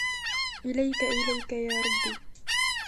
إليك إليك يا ربي